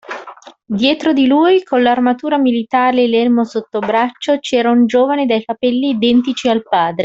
Dietro di lui, con l'armatura militare e l'elmo sottobraccio, c'era un giovane dai capelli identici al padre.